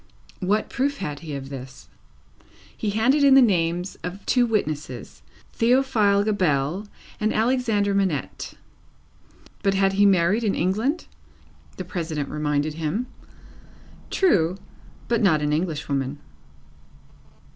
What proof had he of this? He handed in the names of two witnesses; Theophile Gabelle, and Alexandre Manette. But he had married in England? the President reminded him. True, but not an English woman.